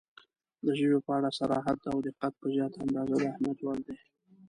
• د ژبې په اړه صراحت او دقت په زیاته اندازه د اهمیت وړ دی.